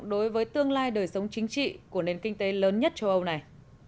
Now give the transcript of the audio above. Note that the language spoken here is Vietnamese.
đối với tương lai đời sống chính trị của nền kinh tế lớn nhất châu âu này